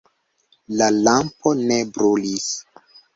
La lampo ne brulis.